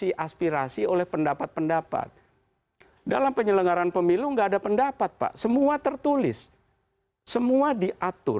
ini menjadi berat